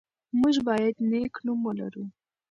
موږ باید نېک نوم ولرو.